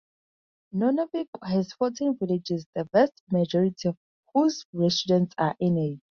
Nunavik has fourteen villages, the vast majority of whose residents are Inuit.